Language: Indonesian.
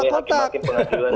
untuk mengingatkan masyarakat